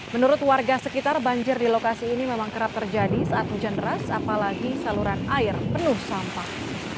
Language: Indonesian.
menurut warga sekitar banjir di lokasi ini memang kerap terjadi saat hujan deras apalagi saluran air penuh sampah